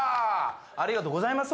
ありがとうございます